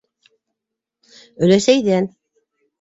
Өләсәйҙән...